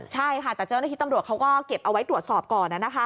ใช่ค่ะแต่เจ้าหน้าที่ตำรวจเขาก็เก็บเอาไว้ตรวจสอบก่อน